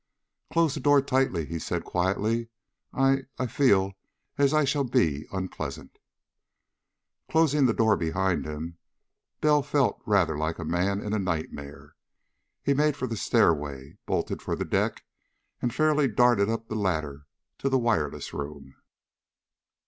"Close the door tightly," he said quietly. "I I feel as if I shall be unpleasant." Closing the door behind him, Bell felt rather like a man in a nightmare. He made for the stairway, bolted for the deck, and fairly darted up the ladder to the wireless room.